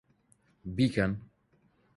بیکەن!